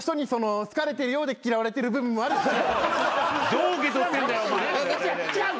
どう受け取ってんだよお前！